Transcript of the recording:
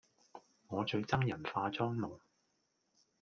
我最憎人化妝濃